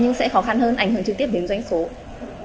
nhưng sẽ khó khăn hơn ảnh hưởng trực tiếp đến doanh số